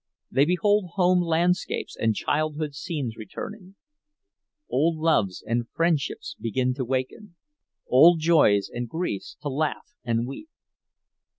They behold home landscapes and childhood scenes returning; old loves and friendships begin to waken, old joys and griefs to laugh and weep.